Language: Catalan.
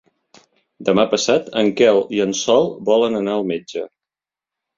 Demà passat en Quel i en Sol volen anar al metge.